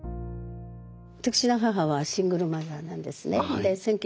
私の母はシングルマザーなんですね。